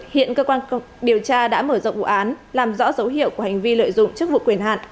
hiện cơ quan điều tra đã mở rộng vụ án làm rõ dấu hiệu của hành vi lợi dụng chức vụ quyền hạn